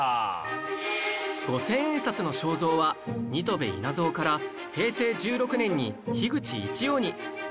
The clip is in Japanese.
５０００円札の肖像は新渡戸稲造から平成１６年に樋口一葉に